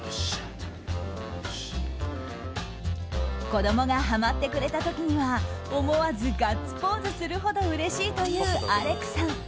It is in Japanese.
子供がハマってくれた時には思わずガッツポーズするほどうれしいというアレクさん。